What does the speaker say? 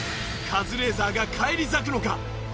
カズレーザーが返り咲くのか？